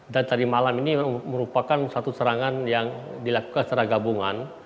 dan tadi malam ini merupakan satu serangan yang dilakukan secara gabungan